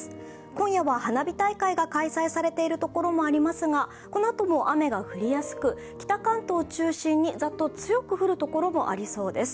今夜は花火大会が開催されている所もありますが、このあとも雨が降りやすく北関東を中心にザッと強く降るところもありそうです。